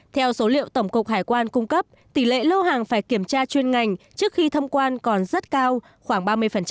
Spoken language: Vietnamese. theo số liệu tổng cục hải quan cung cấp tỷ lệ lô hàng phải kiểm tra chuyên ngành trước khi thông quan còn rất cao khoảng ba mươi